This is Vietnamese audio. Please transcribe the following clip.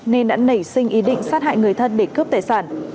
nên đã nảy sinh ý định sát hại người thân để cướp tài sản